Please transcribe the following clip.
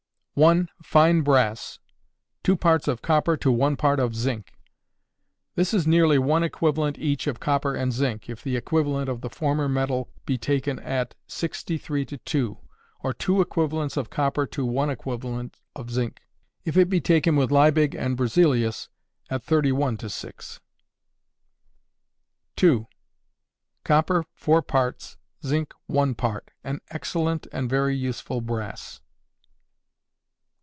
_ 1. Fine Brass. 2 parts of copper to 1 part of zinc. This is nearly one equivalent each of copper and zinc, if the equivalent of the former metal be taken at 63 2; or 2 equivalents of copper to 1 equivalent of zine, if it be taken with Liebig and Berzelius, at 31 6. 2. Copper 4 parts, zinc 1 part. An excellent and very useful brass.